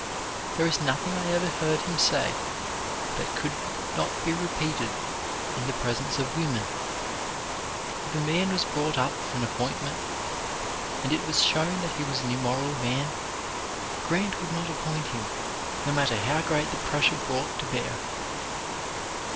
There is nothing I ever heard him say that could not be repeated in the presence of women. If a man was brought up for an appointment, and it was shown that he was an immoral man, Grant would not appoint him, no matter how great the pressure brought to bear."